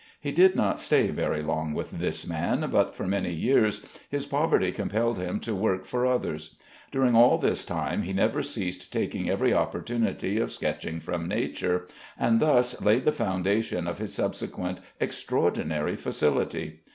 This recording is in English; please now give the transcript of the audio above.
He did not stay very long with this man, but for many years his poverty compelled him to work for others. During all this time he never ceased taking every opportunity of sketching from nature, and thus laid the foundations of his subsequent extraordinary facility.